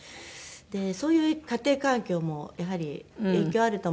そういう家庭環境もやはり影響あると思うんですね。